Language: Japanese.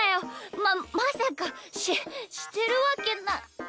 ままさかししてるわけなないでしょっ。